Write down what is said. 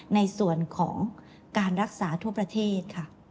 ในส่วนของการรักษาทั่วประเทศค่ะ